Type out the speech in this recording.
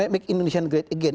make indonesia great again